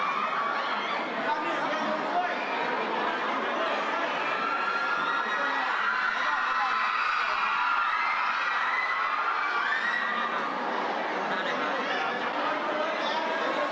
น้องน้องจะพูดหนึ่งนะครับร่างกายสูงรุ่นเสียงแรงนะครับ